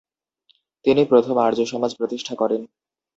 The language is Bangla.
তিনি প্রথম আর্যসমাজ প্রতিষ্ঠা করেন।